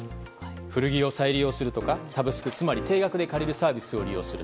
古着を再利用するとかサブスクつまり定額で借りるサービスを利用する。